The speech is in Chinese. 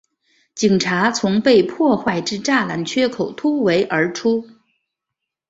警察从被破坏之栅栏缺口突围而出